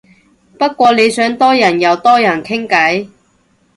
不過你想多人又多人傾偈